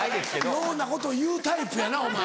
ようなことを言うタイプやなお前。